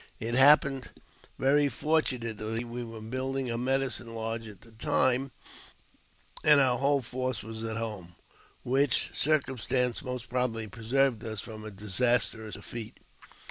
It happened very fortunately we were building a medicine lodge at the time, and our whole force was at home, which circum stance most probably preserved us from a disastrous defeat.